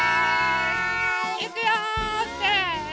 いくよせの！